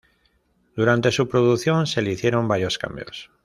Durante su producción se le hicieron varios cambios.